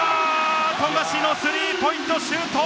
富樫のスリーポイントシュート！